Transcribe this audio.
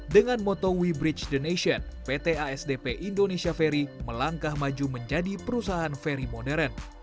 dengan moto weh bridge donation pt asdp indonesia ferry melangkah maju menjadi perusahaan ferry modern